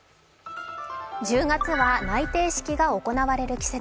１０月は内定式が行われる季節。